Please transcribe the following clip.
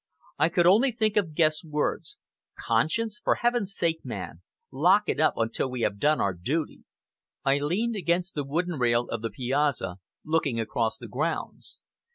I could only think of Guest's words: "Conscience! For Heaven's sake, man, lock it up until we have done our duty." I leaned against the wooden rail of the piazza, looking across the grounds.